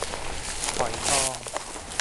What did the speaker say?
ฝอยทอง